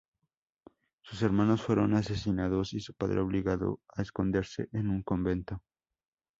Sus hermanos fueron asesinados y su padre obligado a esconderse en un convento.